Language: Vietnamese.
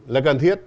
là cần thiết